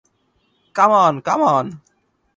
Come on, come on!